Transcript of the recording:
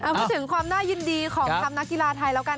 พูดถึงความน่ายินดีของทัพนักกีฬาไทยแล้วกัน